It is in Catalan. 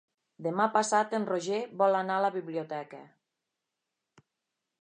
Demà passat en Roger vol anar a la biblioteca.